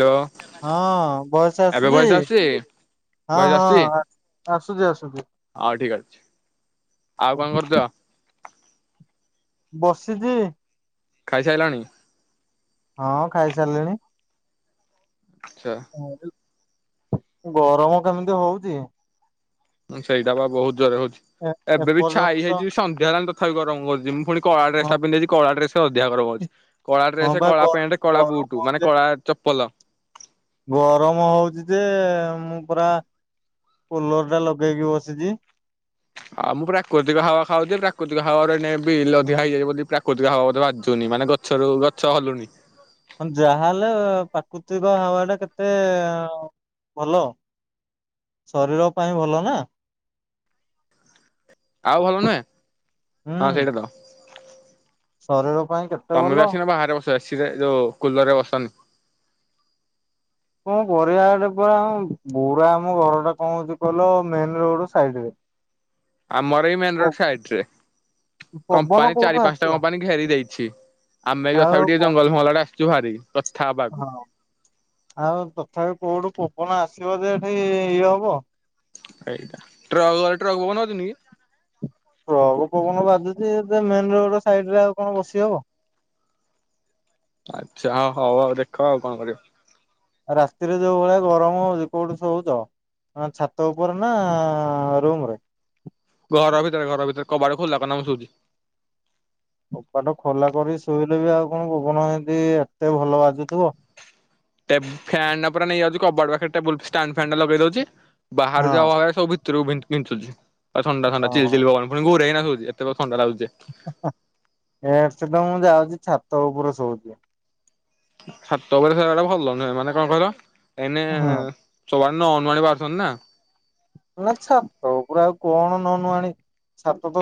Hello ହଁ voice ଏବେ voice ଆସୁଛି? ହଁ ଭଏସ ଆସୁଛି ହଁ ଆସୁଛି ଆସୁଛି ହଁ ଠିକ ଅଛି । ଆଉ କଣ କରୁଛ? ବସିଛି । ଖାଇ ସାଇଲନି? ହଁ ଖାଇସାରିଲିଣି । ଆଛା ଗରମ କେମିତି ହଉଛି? ସେଇଟା ବା ବହୁତ ଜୋରରେ ହଉଛି ଏ ଏବେ ବିି ଏପର୍ଯ୍ୟନ୍ତ ଛାଇ ତ ହେଇଛି ସନ୍ଧ୍ୟା ହେଲାଣି ତଥାପି ଗରମ କରୁଛି ମୁଁ ପୁଣି କଳା ଡ୍ରେସ୍ ହଁ ଟା ପିନ୍ଧିଦେଇଛି କଳା ଡ୍ରେସ୍ ରେ ଅଧିକା ଗରମ ହଉଛି । କଳା ହଁ ଡ୍ରେସ ବା କଳା ଗରମ ପ୍ୟାଣ୍ଟ କଳା ଗରମ ବୁଟ ମାନେ ହଉଛି କଳା ଚପଲ । ଗରମ ହଉଚି ଯେ ମୁଁ ପୁରା କୂଲରଟା ଲଗେଇକି ବସିଛି । ଆଉ ମୁଁ ପ୍ରାକୃତିକ ହାଉଆ ଖାଉଛି ପ୍ରାକୃତିକ ହାଉଆ ଏଇନେ ବିଲ ଅଧିକା ହେଇଯାଇଛି ବୋଲି ପ୍ରାକୃତିକ ହଉଆ ବାଜୁନି । ମାନେ ଗଛରୁ ଗଛ ହଲୁଣିି ଯାହାହେଲେ ପ୍ରାକୃତିକ ହାଉଆଟା କେତେ ଭଲ ଶରୀର ପାଇଁ ଭଲ ନା। ଆଉ ଭଲ ନୁହେଁ ହୁଁ ହଁ ସେଇଟା ତ ଶରୀର ପାଇଁ କେତେ ତମେ ବି ଭଲ ଆସିନ ବାହାରେ ବସ ଏସିରେ ଯୋଉ କୁଲରେ ବସନି କଣ ପରଟେ ପୁର ବୁରା ଆମ ଘର ଟା କଣ ହଉଛି କହିଲ ମେନରୋଡ ସାଇଟରେ ଆମରଏଇ ମେନରୋଡ ସାଇଡ ରେ ପବନ କମ୍ପାନୀ କୋଉଠୁ ଚାରି ପାଞ୍ଚଟା ଆସିବ କମ୍ପାନୀ ଘେରି ଦେଇଛି ଆମେ ବି ଆଉ ତଥାପି ଟିକେ କ ଜଙ୍ଗଲ ମହଲ ଟା ଆସୁ । ଜୁହାରି । ହଁ ଆଉ ତଥାପି କୋଉଠୁ? ଆପଣ ଆସିବ ଯେ ଏଠି ଇଏ ହବ । ଏଇଟା ଟ୍ରକ ଟ୍ରକ ବନତ ନ କି - ହ ପବନ ବାଜୁଛି ଏ ମେନରୋଡ ସାଇଡରେ ଆଉ କଣ ବସିହବ । ଆଛା ହଉ ହଉ ଆଉ ଦେଖ ଆଉ କଣ କରିବା । ଆଉ ରାତିରେ ଯୋଉ ଭଳିଆ ଗରମ ହଉଛି କୋଉଠି ସୋଉଚ। ହ ଛାତ ଉପରେ ନା ରୁମରେ । ଘର ଭିତରେ ଘର ଭିତରେ କବାଟ ଖୋଲା କରିକିନା ଶୋଉଚି । କପାଟ ଖୋଲା କରି ଶୋଇଲେ ବି ଆଉ କଣ ପବନ ଏତେ ଭଲ ବାଜୁଥିବ । ଫ୍ୟାନ ଉପରେ ନେଇଯାଉଛି କବାଡ ପାଖରେ ଟେବୁଲ୍ ଷ୍ଟାଣ୍ଡଫ୍ୟାନ ଟା ଲଗେଇ ଦଉଛି ବାହାରେ ହଁ ଯାହା ହବା ସବୁ ଭିତରେକୁ ପିଞ୍ଚୁଚି ଥଣ୍ଡାଥଣ୍ଡା ଚ ହଁ ଚିଲ ପଣି ଘରୋଇ ହେଇକିନା ହଉଛି ଏତେକ ଥଣ୍ଡା ଲାଗୁଚି ଯେ ଏ ସେ ତ ମୁଁ ଯାଉଛି ଛାତ ଉପରୁ ଶଉଛି ଛାତଉପରେ ବୋଲି ସ ଭଲଲ ନୁହେଁ ମାନେ କଣ କହିଲ ଏଇନେ ହଁ ସବ ନା ଅମାନାନୀ ବାସନ ନା ନା ଛାତ ଉପରେ ଆଉ କଣ ନନୁ ଆଣି ।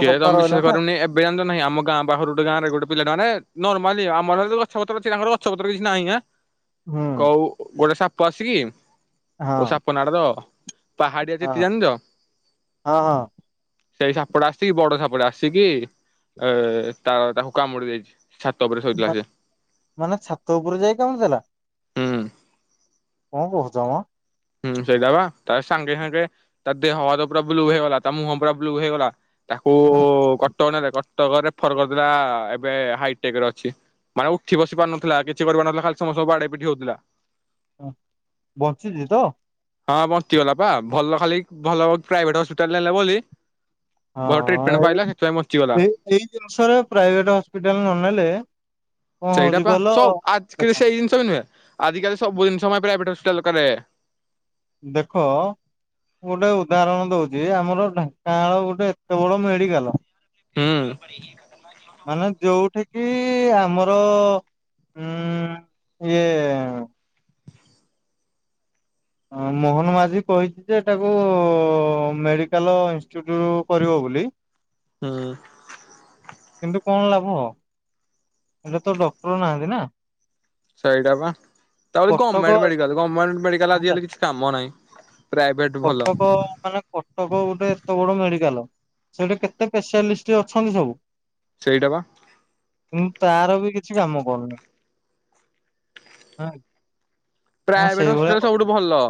କେଏ ତମେ ବିଶ୍ୱାସ କରିବନି ଏବେ ନାହିଁ ଆମ ଗଁ ପାଖ ଗୋଟ ଗାଁରେ ଗୋଟେ ପିଲାଟେ ନର୍ମାଲି ଆମର ଗଛପତ୍ର ଅଛି ତାଙ୍କର ଗଛପତ୍ର କିଛି ନାହିଁ ହେ ହୁଁ କ ଗୋଟେ ସା କସିକି ହଁ ଓଷାପ ନାଡ ତ ପାହାଡିଆ ଚିତି ହଁ ଜାଣିଛ ହଁ ହଁ । ସେଇ ସାପଟା ଆସ କିି ବଡ ସାପଟ ଆସିକି ଏ ତାର ତାକୁ କାମୁଡିଦେଇଛି । ମାନେ ଛାତ ଉପରେ ଯାଇକି କାମୁଡ଼ିଦେଲା । ହୁଁ କଣ କହୁଚ ମ ହୁଁ ସେଇଟା ବା ତ ସାଙ୍ଗେସାଙ୍ଗେ ତା ଦେହ ହାତ ପୁରା ବ୍ଲୁ ହେଇଗଲା ତା ମୁହଁ ପୁରା ବ୍ଲୁ ହେଇଗଲା । ତାକୁ କଟକ ନଲେ କଟକ ରେଫର କରିଦେଲା ଏବେ ହାଇଟେକରେ ଅଛି । ମାନେ ଉଠିବସି ପାରୁନଥିଲା କିଛି କରିପାରୁନଥିଲା ଖାଲି ସମତକୁ ବାଡେଇପିଟି ହଉଥିଲା । ହ ବଞ୍ଚିଛି ତ । ହଁ ବଞ୍ଚିଗଲା ପା ଭଲ ଖାଲି ଭଲ ପ୍ରାଇଭେଟ୍ ହସ୍ପିଟାଲ ନେଲେ ବୋଲି ଭଲ ହଁ ଟ୍ରିଟମେଣ୍ଟ ପାଇଲା ସେଥିପାଇଁ ବଞ୍ଚିଗଲା। ଏଇ ଏ ଏଇ ଜିନିଷରେ ପ୍ରାଇଭେଟ ହସ୍ପିଟାଲ ନ ନେଲେ କଣ ସେଇଟା ହଉଛି ପା କହିଲ ସୋଵ୍ ଆଜକି ଦେଖ ସେଇ ଜିନିଷ ବି ନୁହେଁ ଆଜିକାଲି ସବୁ ଜିନିଷ ମାନେ ପରା କ୍ୟାପିଟାଲ ହସ୍ପିଟାଲ କରେ ଦେଖ ଗୋଟେ ଉଦାହରଣ ଦଉଛି ଆମର ଢାନଂକାନାଳ ଗୋଟେ ଏତେ ବଡ ମେଡିକାଲ ହୁଁ ମାନେ ଯୋଉଠି କି ଆମର ଉମ୍ ଇଏ ହଁ ମୋହନ ମାଝି କହିଛି ଯେ ଏଟାକୁ ମେଡିକାଲ ଇନଷ୍ଟିଚ୍ୟୁଟ କରିବ ବୋଲି ହୁଁ କିନ୍ତୁ କଣ ଲାଭ ଏଟା ତ ଡକ୍ଟର ନାହାନ୍ତି ନା ସେଇଟା ବା ତା ଵୋଲି କଟକ ଗଣଣ୍ଟ ମଡିକାଲ ଗମେନ୍ଟ ମେଡିକାଲ ହେଲା ଆଜିକାଲି କିଛି କାମ ନାହିଁ ପ୍ରାଇଭେଟ ଭଲ କଟକ ଆଉ ମାନେ କଟକ ଗୋଟେ ଏତେ ବଡ ମେଡିକାଲ ସେଟା କେତେ ସ୍ପେଶ୍ୟାଲିଷ୍ଟ ଅଛନ୍ତି ସବୁ ସେଇଟା ବା ଉଁ ତାର ବି କିଛି କାମ କରୁନିଁ ଆଁ। ପ୍ରାଏଭେଟ ହସ୍ପିଟାଲ ସବୁଠୁ ଭଲ ।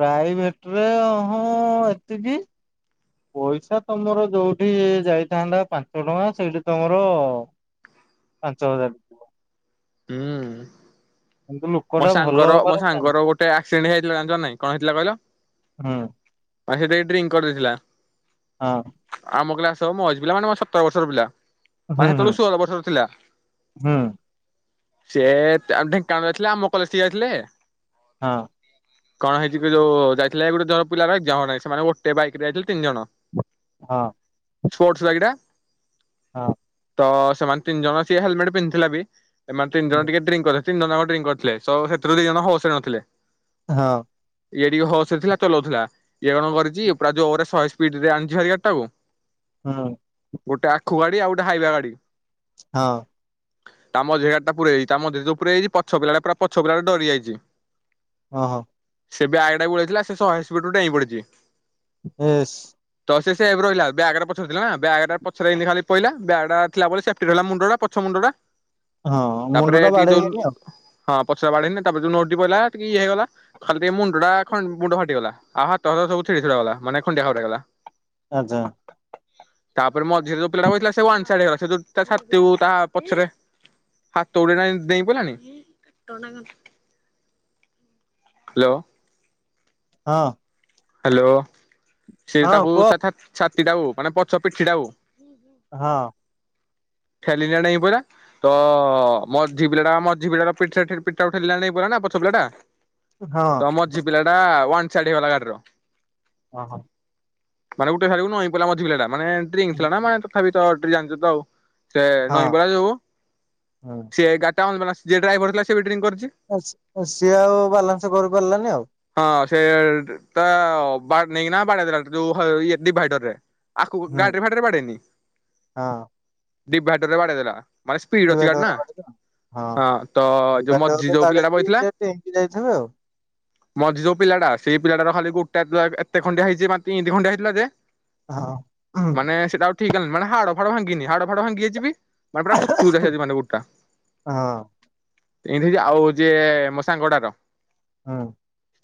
ପ୍ରାଇଭେଟ ରେ ହଁ ଏତିକି । ପଇସା ତମର ଯୋଉଠି ଯାଇଥାନ୍ତା ପାଞ୍ଚ ଟଙ୍କା ସେଇଠି ତମର । ପାଞ୍ଚ ହଜାର । ଉମ୍ । ମୋ ଲୋକଟା ଭଲ ସାଙ୍ଗର ମୋ ହବାର ଚାନ୍ସ ସାଙ୍ଗର ଗୋଟେ ଆକ୍ସିଡେଣ୍ଟ ହେଇଯାଇଥିଲା ଜାଣିଚ ନା ନାଇଁ କଣ ହେଇଥିଲା କହିଲ । ହୁଁ । ମାନେ ସେ ଟିକେ ଡ୍ରିଙ୍କ୍ କରିଦେଇଥିଲା ହଁ ଆମ କ୍ଲାସ ହବ ମୋ ଏଜ୍ ପିଲା ମାନେ ମୋ ସତର ବର୍ଷର ପିଲା । ହୁଁ ମାନେ ହୁଁ ସେତେବେଳକୁ ଷୋଳ ବର୍ଷର ଥିଲା । ହୁଁ ସେ ଢେଙ୍କାଳରେ ଥିଲେ ଆମ କଲେଜ ଟି ଜାଇଥିଲେ । ହଁ । କଣ ହେଇଛି କି ଯୋଉ ଯାଇଥିଲେ ଗୋଟେ ଜଣ ପିଲାର ଏକଯାମ ପାଇଁ ସେମାନେ ଗୋଟେ ବାଇକ୍ ରେ ଯାଇଥିଲେ ତିନ ଜଣ । ହଁ । ସ୍ପୋର୍ଟସ ବାଇକ୍ ଟା । ହଁ । ତ ସେମାନେ ତିନି ଜଣ ସିଏ ହେଲମେଟ ପିନ୍ଧିଥିଲା ବି ସେମାନେ ତିନି ଜଣ ଟିକେ ଡ୍ରିଙ୍କ୍ କରି ଥିଲେ ତିିନି ଜଣ ଯାକ ଡ୍ରିଙ୍କ କରି । ଥିଲେ ସ ସେଥିରୁ ଦି ଜଣ ହୋସ୍ ରେ ନଥିଲେ । ହଁ । ଇଏ ଟିକେ ହୋସ୍ ରେ ଥିଲା ଚଲଉଥିଲା ଇଏ କଣ କରିଛି ପୁରା ଯୋରେ ଶହେ ସ୍ପିଡରେ ଆଣିଛି ଗାଡି ଟାକୁ । ହୁଁ । ଗୋଟେ ଆଖୁ ଗାଡି ଆଉ ଗୋଟେ ହାଇଵା ଗାଡି । ହଁ । ତା ମଝିରେ ଗାଡି ଟା ପୁରେଇ ଦେଇଛି ତା ମଝିରେ ଯୋଉ ପୁରେଇ ଦେଇଛି ପଛ ପିଲାଟା ପୁରା ପଛ ପିଲାଟା ପୁରା ଡରି ଯାଇଛି। ଅ ହୋ । ସେ ଵ୍ୟାଗ ଟାକୁ ଉଳେଇଥିଲା ସେ ଶହେ ସ୍ପିଡ୍ ରୁ ଡେଇଁପଡିଛି । ଏସ୍ । ତ ସେ ସେଭ୍ ରହିଲା ବ୍ୟାଗରା ପଛଟେ ଥିଲା ନା ବ୍ଯାଗରା ପଛରେ ଏନ୍ତି ଖାଲି ପଇଲା ବ୍ୟାଗଟା ଥିଲା ବୋଲି ସେଫ୍ଟି ରହଲା ମୁଣ୍ଡ ଟା ପଛ ମୁଣ୍ଡ । ହଁ ମୁଣ୍ଡଟା ତାପରେ ମୁଣ୍ଡ ଟା ଟିକେ ବାଡେଇ ଯୋଉ ହେଇନି ଆଉ । ହଁ ପଛରା ବାଢେଇିନି ତାପରେ ଯୋଉ ନୌଟି ପଇଲା ଟିକେ ଇଏ ହେଇଗଲା ଖାଲି ଟିକେ ମୁଣ୍ଡ ଟା । ହଁ ମୁଣ୍ଡ ଫାଟିଗଲା ଆ ହାତ ଫାତ ସବୁ ଛିଡି ଛିଡ଼ା ଗଲା ମାନେ ଖଣ୍ଡିଆ ଖାବରା ହେଇଗଲା । ଆଚା । ତାପରେ ମଝିରେ ଯୋଉ ପିଲାଟା ବଇଥିଲା ସେ ୱାନ୍ ସାଇଡ ହେଇଗଲା ସେ ଯୋଉ ତା ଛାତିକୁ ତା ପଛରେ । ହାତ ଉଡେଇ ନା ଏମତି ଦେଇଁ ପିଇଲାଣି । ହ୍ୟାଲୋ । ହଁ । ହ୍ୟାଲୋ ସେ ତାକୁ କୁହ ତା ଛା ଛାତିଟାକୁ ମାନେ ପଛ ପିଠିଟାକୁ । ହଁ । ଠେଲିକିନା ଡେଇଁପଇଲା ତ ମଝି ପିଲାଟା ମଝି ପିଲାର ପିଠିଟାକୁ ଠେ ପିଠିଟାକୁ ଠେଲିକିନା ଡେଇଁ ପାଇଲା ନା । ପଛ ପିଲା ଟା ହଁ ତ ମଝି ପିଲାଟା ୱାନ ସାଇଡ ହେଇଗଲା ଗାଡିର । ଅ ହ । ମାନେ ଗୋଟେ ସାଇଡକୁ ନଇଁ ପଇଲା ମଝି ପିଲାଟା ମାନେ ଡ୍ରୀଙ୍କ ହଁ ଥିଲା ନା ମ ତଥାପି ତ ଜାଣିଛୁ ତ ଆଉ । ସେ ହଁ ନଇଁ ପଇଲା ଯୋଉ ହୁଁ ସେ ଗାଡି ଟା ଅନ ବାଲନ୍ସ ଯିଏ ଡ୍ରାଇଭର ଥିଲା ସେ ବି ଡ୍ରିଙ୍କି କରି । ସି ସିଏ ଆଉ ବାଲାନ୍ସ କରିପାରିଲାନି ଆଉ । ହଁ ସେ ତା ବାକ ନେଇକି ନା ବାଡେଇ ଦେଲା ଯୋଉ ହ ଇଏ ଡିଭାଇଡର ରେ । ଆଖକୁ ହୁଁ ଗାଡିରେ ଫାଡିରେ ବାଡେଇନି ହଁ ଡିଭାଇଡର ରେ ବାଡେଇ ଦେଲା । ମାନେ ସ୍ପିଡ ଅଛି ଗାଡି ଡିଭାଇଡର ନା ବାଡେଇଲା । ହଁ ତ ଯୋଉ ମୋଝି ଡିଭାଇଡରରେ ଯଉ ପିଲଟା ବାଡେଇକି ବଇ ଥିଲା ସେ । ଡେଇଁକି ଯାଇଥିବେ ଆଉ ମଝି ଯୋଉ ପିଲାଟା ସେଇ ପିଲାଟାର ଖାଲି ଗୋଟେ ହାତ ଏ ଏତେ ଖଣ୍ଡିଆ ହେଇଛି ମାନେ ଈନ୍ତି ଖଣ୍ଡିଆ ହେଇଥିଲା ଯେ । ହଁ ହୁଁ । ଠିକାଲା ମାନେ ହଡ ଫାଡ ଭାଙ୍ଗିନି ମାନେ ହାଡ ଫାଡ ଭାଙ୍ଗି ଯାଇଚିପି ମାନେ ପୁରା କୁଚୁ କୁଚା ହୋଇଯାଇଚି ମାନେ ଗୁଟା ହଁ ଏମତିହେଇଚି ଆଉ ଯିଏ ମ ସାଙ୍ଗଡାର ହୁଁ।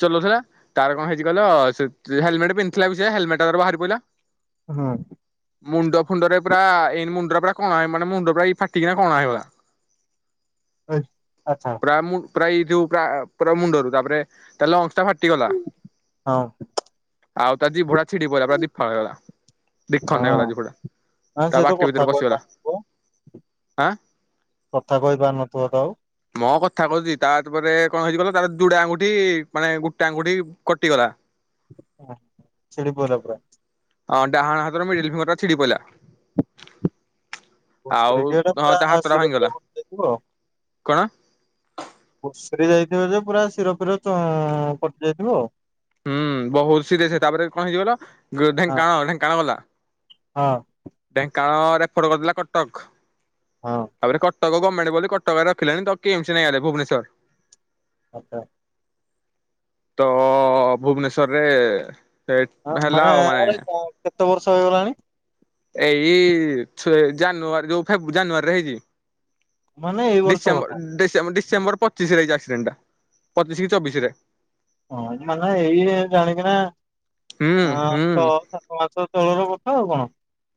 ଚଲୁଉଥିଲା ତାର କଣ ହେଇଚି କହିଲ ସେ ହେଲମେଟ ପିନ୍ଧିଥିଲା ବି ସେ ହେଲମେଟ ତ ବାହାରି ପାଇଲା ହଁ। ମୁଣ୍ଡ ଫୁଣ୍ଡରେ ପୁରା ଏଇ ମୁଣ୍ଡରେ ପୁରା କଣ ହେଇ ମାନେ ମୁଣ୍ଡ ପୁରା ଫାଟିକି ନା କଣା ହେଇଗଲା। ଆ ଆଛା। ପୁରା ମୁ ପୁରା ଏଇଯୋଉ ପୁରା ପୁରା ମୁଣ୍ଡରୁ ତାପରେ ତାଲେ ଲଞ୍ଚ ଟା ଫାଟିଗଲା। ହଁ ଆଉ ତା ଜିଭଟା ଛିଡି ପଡ଼ିଲଲା ପୁରା ଦୀଫାଳ ହେଇଗଲା ଦିଇଖଣ୍ଡ ହେଇଗଲା ହଁ ଜିଭଟା ହଁ ତା ସେ ତ ବାଟି କଥା ଭିତରେ ପସିଗଲା। କହିପାରୁନଥିବ କଥା କହି ପାରୁନଥିବ ତ ଆଉ? ହଁ କଥା କହୁଛି ତାପରେ କଣ ହେଇଛି ଗଲା ତାର ଜୁଡେ ଆଙ୍ଗୁଠି ମାନେ ଗୁଟେ ଆଙ୍ଗୁଠି କଟିଗଲା। ହ ଛିଡ଼ି ପଇଲା ପୁରା ହଁ ଡାହାଣ ହାତର ମିଡିଲ ଫିଙ୍ଗର ଟା ଛିଡି ପିଇଲା। ଘୁସୁରୀକା ପୁରା ଶିର ପୁରା ଭାଙ୍ଗିଗଲା କଟି ଯାଇଥିବ ଆଉ। କଣ ଘୁସୁରୀ ଯାଇଥିବ ଯେ ପୁରା ଶିର ଫିର କଟି ଯାଇଥିବ ଆଉ। ହୁଁ ବହୁତ ସିରିଏସ୍ ସେ ତାପରେ କଣ ହେଇଚି କହିଲ ଆଉ ଢେଙ୍କାଣାଳ ଢେଙ୍କାଣାଳ ଗଲା। ହଁ। ଢେଙ୍କାନାଳ ରେଫର କରିଦେଲା କଟକ ହଁ। ହଁ ତାପରେ କ କଟକ ଗମେଣ୍ଟ ଗଲେ କଟକରେ ରଖିଲାଣି ତ କେମସ୍ ନେଇଆଇଲେ ଭୁବନେଶ୍ୱର ଆଛା। ତ ଭୁବନେଶ୍ଵରରେ ସେ ହଁ ହେଲା ଆଉ ମାନେ ଆରେ କେତେ ବର୍ଷ ହେଇଗଲାଣି। ଏଇ ଛ ଜାନୁଆରୀରୁ ଫେ ଜାନୁଆରୀରେ ହେଇଛି। ମାନେ ଏଇ ବର୍ଷ କଥା ଡିସେମ୍ବର ଡିସେ ଡିସେମ୍ବର ପଚିଶରେଇ ଆଡେଣ୍ଟଟା ପଚିଶ କି ଚବିଶ ରେ ହଁ ମାନେ ଏଇ ଜାଣିକିନା ହୁଁ ହଁ ହୁଁ ଛଅ ସାତ ମାସ ତଳର କଥା ଆଉ କଣ?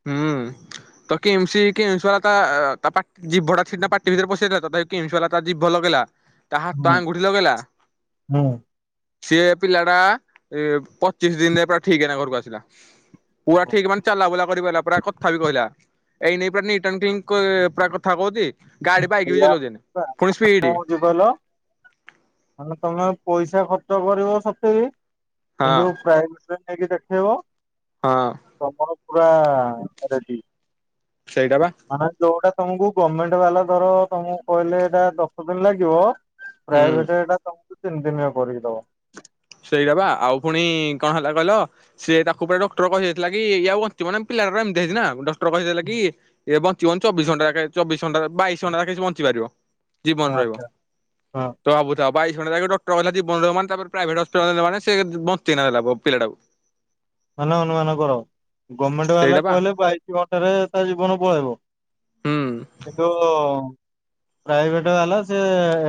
ହୁଁ। ତ କିମିସ୍ କିମିସ୍ ବାଲା ତା ତା ପା ଜିଭଟା ସିନା ପାଟି ଭିତରେ ପସିଯାଇଥିଲା ତ ତଥାପି କିମିସ୍ ବାଲା ତା ଜିିଭ ଲଗେଇଲା। ତା ହାତ ହୁଁ ଆଙ୍ଗୁଠି ଲଗେଇଲା। ହୁଁ ସେଏ ପିଲା ଟା ପଚିଶ ଦିନରେ ପୁରା ଠିକ ହେ ନା ଘରକୁ ଆସିଲା। ପୁରା ଠିକ ମାନେ ଚାଲାବୁଲା କରି ପାରଲା ପାୟ କଥା ବି କହିଲା। ଏଇ ନେଇ ପୁରା ନିଟ୍ ଆନ୍ଡ୍ କ୍ଲିନ୍ କରି ପୁରା କଥା କହୁଛି। ଗାଡି ବାଇକ୍ ବି ଚଲଉଛି ଏଇନେ। ପୁଣି ସ୍ପିଡ ହଉଚି କହିଲ ମାନେ ତମେ ପଇସା ପଇସା ଖର୍ଚ୍ଚ କରିବ ସତ ବି ହଁ କିନ୍ତୁ ପ୍ରାଇଭେଟରେ ନେଇକି ଦେଖେଇବ। ହଁ। ତମର ପୁରା ରେଡି ସେଇଟା ବା ମାନେ ଯୋଉଟା ତମକୁ ଗମେଣ୍ଟ ବାଲା ଧର ତମକୁ କହିଲେ ଏଇଟା ଦଶ ଦିନ ଲାଗିବ ହୁଁ। ପ୍ରାଇଭେଟରେ ଏଟା ତ ତିନି ଦିନିଆ କରିକିଦବ ସେଇଆ ବା ଆଉ ପୁଣି କଣ ହେଲା କହିଲ ସେ ତାକୁ ପୁରା ଡକ୍ଟର କହିଦେଇଥିଲା କି ଇଏ ଆଉ ବଞ୍ଚିବନି ଆମ ପିଲା ଗରା ଏମ୍ ହେଇଚିନା କହିଦେଲେ କି ଏ ବଞ୍ଚିବନି ଚବିଶ ଘଣ୍ଟା ଚବିଶ ଘଣ୍ଟ ବାଇଶ ଘଣ୍ଟା ଯାକେ ସେ ବଞ୍ଚିପାରିବ। ଜୀବନ ରହିବ ଆଚ୍ଛା ହଁ ତ ସବୁ ବାଇଶ ଘଣ୍ଟା ଯାଏ ଡକ୍ଟର କହିଲା ଜୀବନ ରହିବ ମାନେ ତାପରେ ପ୍ରାଇଭେଟ ନେଲା ମାନେ ସେ ବଞ୍ଚେଇ ନେଲା ପିଲାଟାକୁ ମାନେ ଅନୁମାନ କର ଗଭର୍ଣମେଣ୍ଟ ବାଲା ସେଇଟା ବା କହିଲେ ବାଇଶ ଘଣ୍ଟାରେ ତା ଜୀବନ ପଳେଇବ। ହୁଁ। କିନ୍ତୁ ପ୍ରାଇଭେଟ ବାଲା ସେ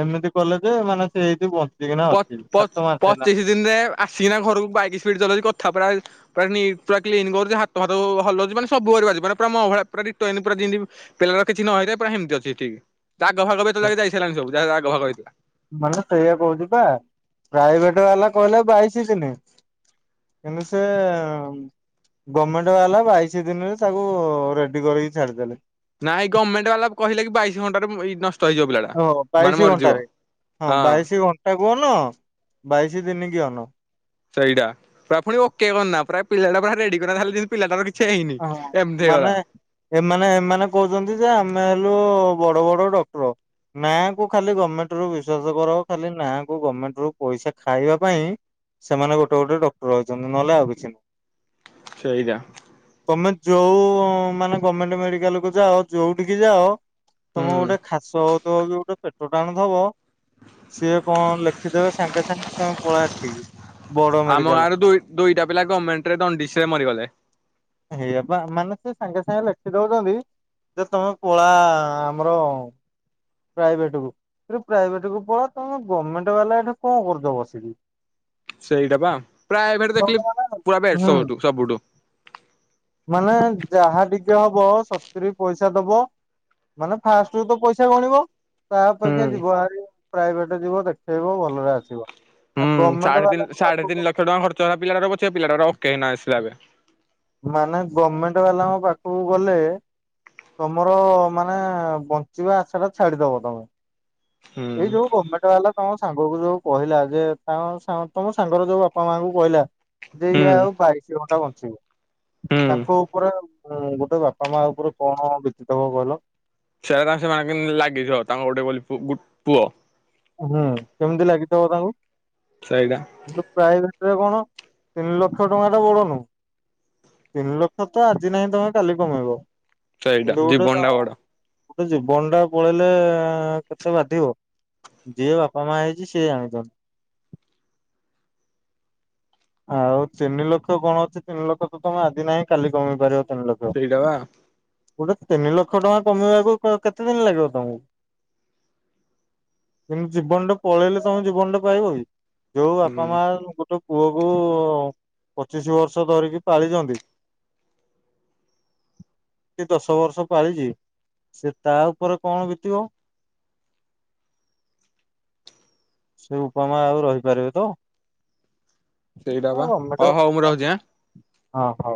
ଏମିତି କଲେ ଯେ ମାନେ ସେ ଏଇଠି ବଞ୍ଚ ପଚ୍ ପଚ୍ ପଚିଶ ଦିନରେ ଆସିକିନା ଘରକୁ ବାଇକ ସ୍ପିଡ ଚଲାଉଛି କଥା ପୁରା ପୁରା ପା କ୍ନ କରୁଛି ହାତ ହାତ ହଲିବାନ ସବୁିବ ପ ମ ଭଳି ପୁର ପୁରାି ପିଲା କିଛି ନ ହେଇଥା ପୁର ସେମିତି ଅଛି ଠିକ୍ ଦାଗ ଫାଗ ବି ତ ଯାଇସିଲାଣି ସବୁ ଯହା ଦାଗ ଫାଗ ହେଇଥିଲା ମାନେ ସେଇଆା କହୁଛି ବା ପ୍ରାଇଭେଟ ବାଲା କହିଲେ ବାଇଶି ଦିନ କିନ୍ତୁ ସେ ଗଭର୍ଣମେଣ୍ଟ ବାଲା ବାଇଶ ଦିନରେ ତାକୁ ରେଡି କରିକି ଛାଡିଦେଲେ ନା ଏଇ ଗଭର୍ଣ୍ଣମେଣ୍ଟ ବାଲା କହିଲେ କି ବାଇଶ ଘଣ୍ଟାରେ ନଷ୍ଟ ହେଇଯିବ ପିଲାଟା ଓ ମାନେ ବାଇଶି ମରିଯିବ ଘଣ୍ଟାରେ ହଁ ବାଇଶି ଘଣ୍ଟା କୁହନ ବାଇଶି ଦିନ କି ଅନ ସେଇଟା ପ୍ରାୟ ପୁଣି ଓକେ ବନା ପ୍ରାୟ ପିଲାଟା ପୁରାରେଡି କରିଲେ ପିଲାଟାର କିଛି ହେଇନି ହଁ ଏମିତି ମାନେ ହେଇଗଲା। ଏମାନେ ଏମାନେ କହୁଛନ୍ତି ଯେ ଆମେ ହେଲୁ ବଡ ବଡ ଡକ୍ଟର ନା କୁ ଖାଲି ଗଭର୍ଣମେଣ୍ଟ ରୁ ବିଶ୍ଵାସ କର ଖାଲି ନା କୁ ଗଭର୍ଣମେଣ୍ଟ ରୁ ପଇସା ଖାଇବା ପାଇଁ ସେମାନେ ଗୋଟେ ଗୋଟେ ଡକ୍ଟର ଅଛନ୍ତି ନହେଲେ ଆଉ କିଛି ସେଇଟା ତମେ ଯୋଉ ମାନେ ଗମେଣ୍ଟ ମେଡିକାଲ କୁ ଯାଅ ଯୋଉଠିକି ଯାଅ ତମେ ହୁଁ ଗୋଟେ ଖାସ ହଉଥିବ କି ଗୋଟେ ପେଟ ଟାଣୁଥବା ସିଏ କଣ ଲେଖିଦେବେ ସାଙ୍ଗେ ସାଙ୍ଗେ ତମେ ପଳା ଏଠିକି ବଡ ଆମ ମେଡିକାଲ ଗାଁରେ ଦୁଇ ଦୁଇଟା ପିଲା ଗଭର୍ଣ୍ଣମେଣ୍ଟ ରେ ଦଣ୍ଡିଶ ରେ ମରିଗଲେ ଏଇଆ ବା ମାନେ ସେ ସାଙ୍ଗେ ସାଙ୍ଗେ ଲେଖି ଦଉଛନ୍ତି ଯେ ତମେ କଳା ଆମର ପ୍ରାଇଭେଟ କୁ। ଆରେ ପ୍ରାଇଭେଟ କୁ ପଳା ତମେ ଗଭର୍ଣ୍ଣମେଣ୍ଟ ବାଲା ଏଠି କଣ କରୁଚ ବସିକି ସେଇଟା ପା। ପ୍ରାୟ ଏପଟେ ଦେଖିଲି ପୁରା ବେଷ୍ଟ୍ ହୁଁ ସବୁଠୁ ସବୁଠୁ ମାନେ ଯାହା ବି ହବ ସତୁୁରୀ ପଇସା ଦବ ମାନେ ଫାଷ୍ଟ ରୁ ତ ପଇସା ଗଣିବ ତା ଅପେକ୍ଷା ହୁଁ। ଯିବ ଭାରି ପ୍ରାଇଭେଟ ଯିବ ଦେଖେଇବ ଭଲରେ ଆସିବ ଆଉ ହୁ ଗଭର୍ଣ୍ଣମେଣ୍ଟ ସାଢେ ତିି ବାଲାଙ୍କ ସାଢେ ତିନି ପାଖକୁ ଲକ୍ଷ ଟଙ୍କା ଖର୍ଚ୍ଚ ହେଲା ପିଲାଟାର ପଛେ ପିଲାଟ ର ଓକେ ନା ଆସିଲା ଏବେ ମାନେ ଗଭର୍ଣମେଣ୍ଟ ବାଲାଙ୍କ ପାଖକୁ ଗଲେ ତମର ମାନେ ବଞ୍ଚିବା ଆଶା ଟା ଛାଡିଦବ ତମେ ହୁଁ। ଏଇ ଯୋଉ ଗଭର୍ଣ୍ଣମେଣ୍ଟ ବାଲା ତମ ସାଙ୍ଗ କୁ ଯୋଉ କହିଲା ଯେ ତା ସା ତମ ସାଙ୍ଗର ଯୋଉ ବାପା ମାଙ୍କୁ କହିଲା ଯେ ଇ ହୁଁ ଆଉ ବାଇଶି ଘଣ୍ଟା ବଞ୍ଚିବ ହୁଁ ତାଙ୍କ ଉପରେ ତ ବାପା ମା ଉପରେ କଣ ବିତିଥିବ କହିଲ ସେଟା ସେ ମାଗିଲ୍ ଇ ଲାଗି ଜିଅ, ତାଙ୍କ ଗୋଟେ ବୋଲି ପୁ ଗୁ, ପୁଅ। ହୁଁ, କେମିତି ଲାଗିଥିବ ତାଙ୍କୁ? ସେଇଟା କିନ୍ତୁ ପ୍ରାଇଭେଟରେ କଣ, ତିନି ଲକ୍ଷ ଟଙ୍କା ଟା ବଡନୁ। ତିନି ଲକ୍ଷ ତ, ଆଜି ନାହିଁ ତମେ କାଲି କମେଇବ। ସେଇଟା, କିନ୍ତୁ ଗୋଟେ ଜୀବନ ଟା ବଡ଼। ଗୋଟେ ଜୀବନ୍ ଟା ପଳେଇଲେ ଏ, କେତେ ବାଧିବ? ଯେ ବାପା ମା ହେଇଛି ସେ ଜାଣିଛନ୍। ଆଉ, ତିନି ଲକ୍ଷ କଣ ଅଛି ତିନି ଲକ୍ଷ ତ ତମେ ଆଜି ନାହିଁ କାଲି କମି ପାରିବ। ତିନିଲକ୍ଷ, ସେଇଟା ବା କଉଁଟା? ତିନି ଲକ୍ଷ ଟଙ୍କା କମେଇବାକୁ କ କେତେ ଦିନ ଲାଗିବ ତମକୁ? କିନ୍ତୁ ଜୀବନଟା ପଳେଇଲେ ତମେ ଜୀବନଟା ପାଇବ କି? ଯଉଁ ବାପା ହୁଁ ମାାର ଗୋଟେ ପୁଅ କୁ ପଚିଶି ବର୍ଷ ଧରିକି ପାଳିଛନ୍ତି, କି ଦଶ ବର୍ଷ ପାଳିଛି, ସେ ତା ଉପରେ କଣ ବିତିବ? [inaudible] ସେ ଉପମା ଆଉ ରହିପାରିବେ ତ? ସେଇଟା ବା, ହଉ ହଉ ମୁଁ ରହୁଚି ଆଁ? ହଉ ହଉ।